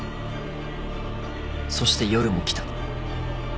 そして夜も来た。